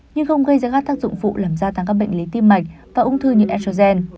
nhưng không gây ra các tác dụng phụ làm gia tăng các bệnh lý tim mạch và ung thư như erogen